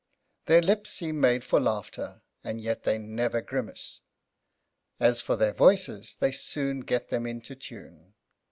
Their lips seem made for laughter and yet they never grimace. As for their voices they soon get them into tune.